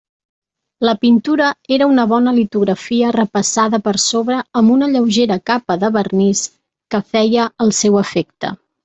La pintura era una bona litografia repassada per sobre amb una lleugera capa de vernís que feia el seu efecte.